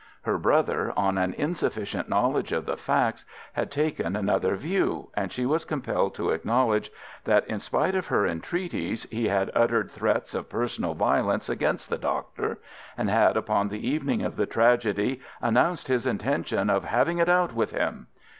Her brother, on an insufficient knowledge of the facts, had taken another view, and she was compelled to acknowledge that, in spite of her entreaties, he had uttered threats of personal violence against the doctor, and had, upon the evening of the tragedy, announced his intention of "having it out with him."